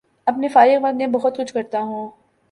اپنے فارغ وقت میں بہت کچھ کرتا ہوں